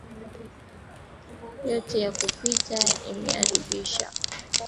Yote ya kupita inaaribisha